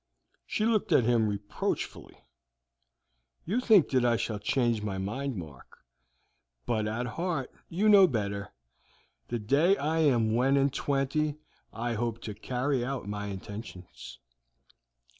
She looked at him reproachfully. "You think that I shall change my mind, Mark, but at heart you know better. The day I am one and twenty I hope to carry out my intentions."